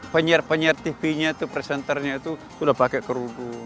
penyiar penyiar tv nya itu presenternya itu sudah pakai kerudu